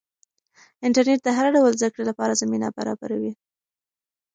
انټرنیټ د هر ډول زده کړې لپاره زمینه برابروي.